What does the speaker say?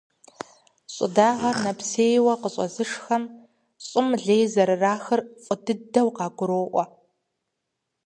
Щӏы дагъэр нэпсейуэ къыщӏэзышхэм щӏым лей зэрырахыр фӏы дыдэу къагуроӏуэ.